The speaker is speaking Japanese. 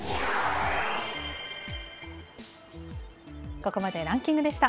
ここまでランキングでした。